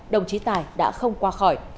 đồng chí tài đã không qua khỏi